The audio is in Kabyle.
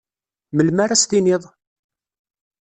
Melmi ara as-tenniḍ?